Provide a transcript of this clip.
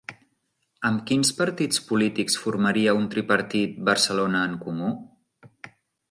Amb quins partits polítics formaria un tripartit Barcelona en Comú?